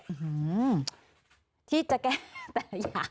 อื้อฮือที่จะแก้แต่อย่าง